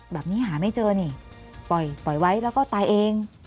แบบนี้หาไม่เจอนี่ปล่อยไว้แล้วก็ตายเอง